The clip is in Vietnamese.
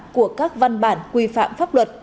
của các văn bản quy phạm pháp luật